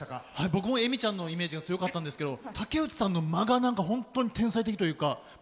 僕も恵美ちゃんのイメージが強かったんですけど竹内さんの間が何か本当に天才的というか。